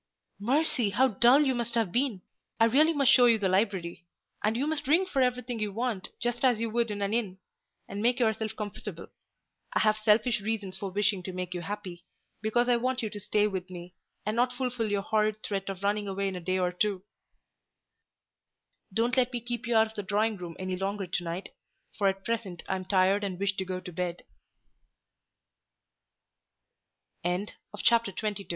"Mercy, how dull you must have been! I really must show you the library; and you must ring for everything you want, just as you would in an inn, and make yourself comfortable. I have selfish reasons for wishing to make you happy, because I want you to stay with me, and not fulfil your horrid threat of running away in a day or two." "Well, don't let me keep you out of the drawing room any longer to night, for at present I am tired and wish to go to bed." CHAPTER XXIII.